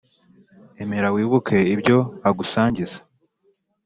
emera wibuke ibyo agusangiza